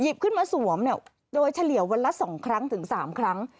หยิบขึ้นมาสวมโดยเฉลี่ยวันละ๒๓ครั้ง